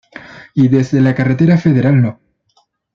Y desde la carretera federal No.